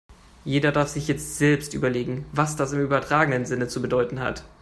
Jeder darf sich jetzt selbst überlegen, was das im übertragenen Sinne zu bedeuten hat.